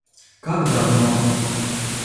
Как давно...